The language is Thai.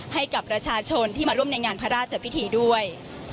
ให้กับประชาชนที่มาร่วมในงานพระราชพิธีด้วย